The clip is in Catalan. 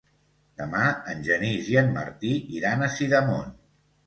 Demà en Genís i en Martí iran a Sidamon.